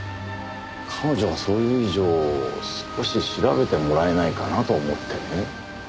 彼女がそう言う以上少し調べてもらえないかなと思ってね。